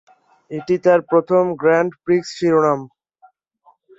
এটি তার প্রথম গ্র্যান্ড প্রিক্স শিরোনাম।